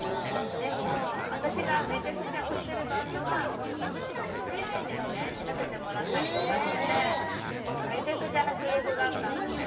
でも私がめちゃくちゃ推してるバンドは最前列で見させてもらったりとかしててもうめちゃくちゃ迫力があったんですよ。